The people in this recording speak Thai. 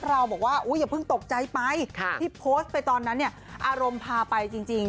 เราบอกว่าอย่าเพิ่งตกใจไปที่โพสต์ไปตอนนั้นเนี่ยอารมณ์พาไปจริง